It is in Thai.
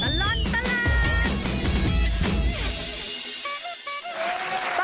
ตลอดตลาด